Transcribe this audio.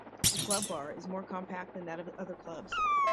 The Club bar is more compact than that of other clubs.